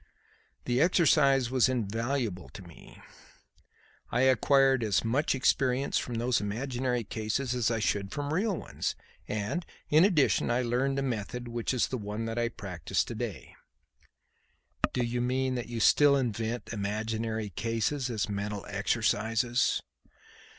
The exercise was invaluable to me. I acquired as much experience from those imaginary cases as I should from real ones, and in addition, I learned a method which is the one that I practise to this day." "Do you mean that you still invent imaginary cases as mental exercises?"